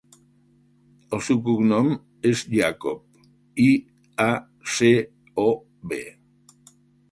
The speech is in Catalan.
El seu cognom és Iacob: i, a, ce, o, be.